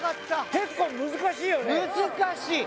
結構難しいよね？